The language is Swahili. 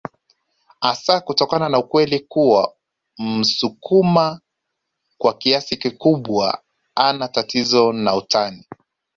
Hasa kutokana na ukweli kuwa msukuma kwa kiasi kikubwa hana tatizo na utani